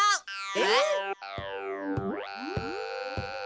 えっ？